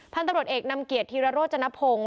พันธรรมรวชเอกนำเกียร์ธิระโรจนพง